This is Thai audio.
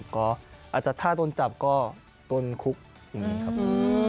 ก็อาจจะถ้าต้นจับก็ต้นคุกอย่างนี้ครับ